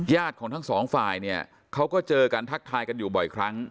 ของทั้งสองฝ่ายเนี่ยเขาก็เจอกันทักทายกันอยู่บ่อยครั้ง